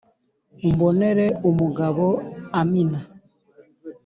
umbonere umugabo. amina.